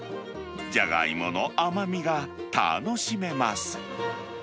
じゃがいもの甘みが楽しめます。